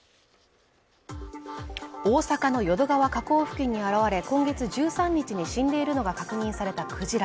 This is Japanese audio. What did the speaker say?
大阪の淀川河口付近に現れ今月１３日に死んでいるのが確認されたクジラ